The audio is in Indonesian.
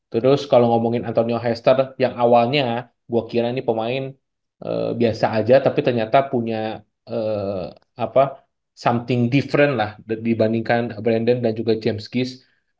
terus kalau ngomongin antonio haster yang awalnya gue kira ini pemain biasa aja tapi ternyata punya something different lah dibandingkan brandon dan juga james kis